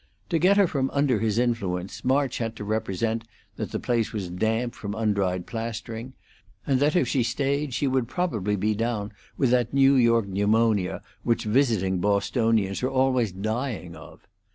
To get her from under his influence March had to represent that the place was damp from undried plastering, and that if she stayed she would probably be down with that New York pneumonia which visiting Bostonians are always dying of.